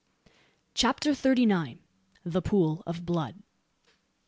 CHAPTER THIRTY NINE. THE POOL OF BLOOD.